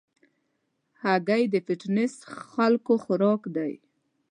هګۍ د فټنس خلکو خوراک دی.